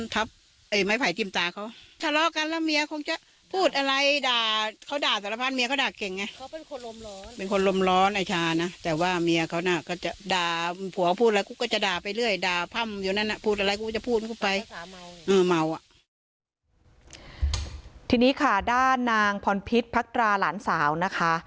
ทีนี้ค่ะด้านนางพรพิษพักตราหลานสาวนะคะ